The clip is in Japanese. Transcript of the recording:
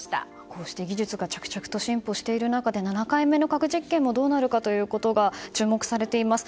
こうして技術が着々と進歩している中で７回目の核実験もどうなるかというのが注目されています。